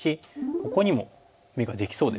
ここにも眼ができそうですよね。